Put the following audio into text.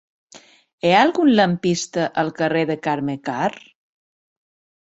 Hi ha algun lampista al carrer de Carme Karr?